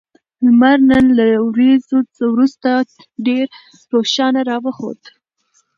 لمر نن له وريځو وروسته ډېر روښانه راوخوت